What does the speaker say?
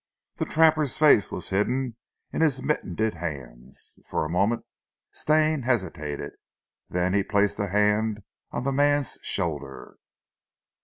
The trapper's face was hidden in his mittened hands. For a moment Stane hesitated, then he placed a hand on the man's shoulder.